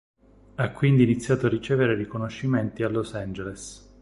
Ha quindi iniziato a ricevere riconoscimenti a Los Angeles.